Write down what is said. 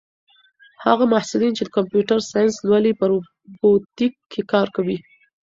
هغه محصلین چې کمپیوټر ساینس لولي په روبوټیک کې کار کوي.